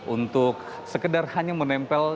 untuk sekedar hanya menempel